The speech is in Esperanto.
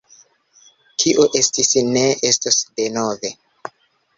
Kio estis ne estos denove.